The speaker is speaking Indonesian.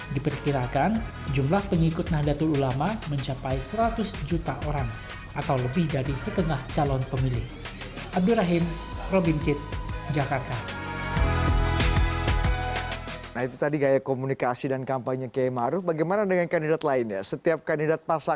diperkirakan jumlah pengikutnya adalah seorang yang berpengaruh untuk mencari kemampuan untuk mencari kemampuan